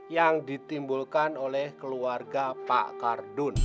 yang ditimbulkan oleh keluarga mekardun